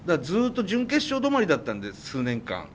ずっと準決勝止まりだったんです数年間。